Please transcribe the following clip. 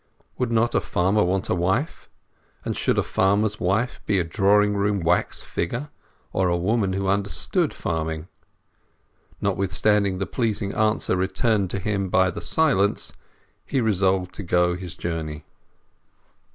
Would not a farmer want a wife, and should a farmer's wife be a drawing room wax figure, or a woman who understood farming? Notwithstanding the pleasing answer returned to him by the silence, he resolved to go his journey.